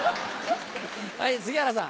はい杉原さん。